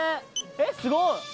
えっすごい！」